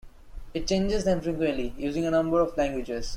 It changes them frequently, using a number of languages.